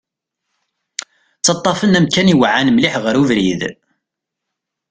Ttaṭṭafen amkan iweɛɛan mliḥ ɣer ubrid.